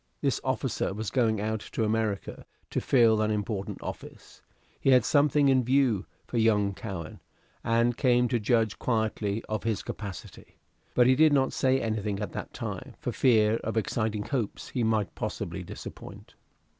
This officer was going out to America to fill an important office. He had something in view for young Cowen, and came to judge quietly of his capacity. But he did not say anything at that time, for fear of exciting hopes he might possibly disappoint.